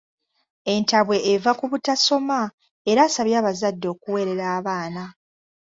Entabwe eva ku butasoma, era asabye abazadde okuweerera abaana.